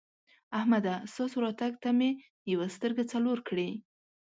احمده! ستاسو راتګ ته مې یوه سترګه څلور کړې.